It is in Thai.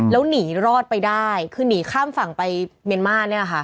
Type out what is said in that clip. แล้วหนีรอดไปได้คือหนีข้ามฝั่งไปเมียนมาน